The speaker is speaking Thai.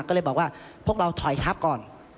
ก็เลยบอกว่าพวกเราถอยทับก่อน